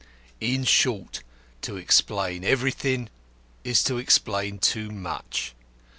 In short, to explain everything is to explain too much.